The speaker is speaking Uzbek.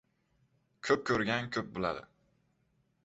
• Ko‘p ko‘rgan ko‘p biladi.